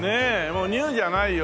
もうニューじゃないよ